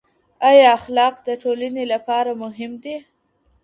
آیا اخلاق د ټولني لپاره مهم دي؟